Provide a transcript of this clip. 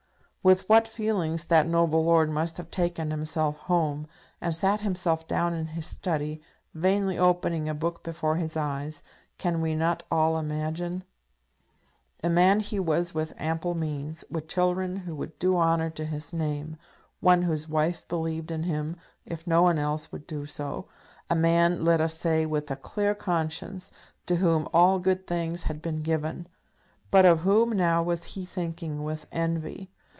With what feelings that noble lord must have taken himself home, and sat himself down in his study, vainly opening a book before his eyes, can we not all imagine? A man he was with ample means, with children who would do honour to his name; one whose wife believed in him, if no one else would do so; a man, let us say, with a clear conscience, to whom all good things had been given. But of whom now was he thinking with envy?